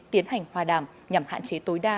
tiến hành hòa đàm nhằm hạn chế tối đa